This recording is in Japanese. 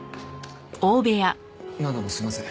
何度もすみません。